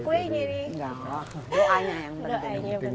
doanya yang penting